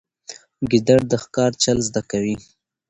ګیدړ د ښکار چل زده کوي.